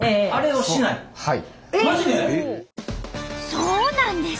そうなんです。